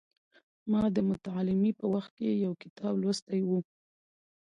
ما د متعلمۍ په وخت کې یو کتاب لوستی و.